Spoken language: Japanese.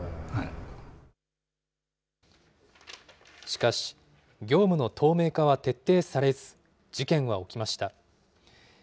しかし、業務の透明化は徹底されず、事件は起きました。